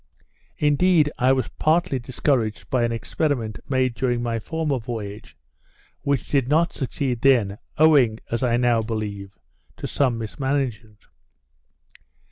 Indeed I was partly discouraged by an experiment made during my former voyage, which did not succeed then, owing, as I now believe, to some mismanagement.